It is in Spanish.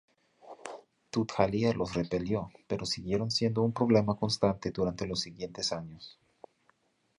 Tudhaliya los repelió, pero siguieron siendo un problema constante durante los siguientes años.